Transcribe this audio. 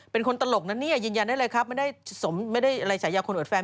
เป็นคนตลกนะเนี่ยยืนยันได้เลยครับไม่ได้สมไม่ได้อะไรฉายาคนอวดแฟน